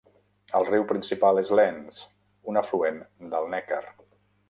El riu principal és l'Enz, un afluent del Neckar.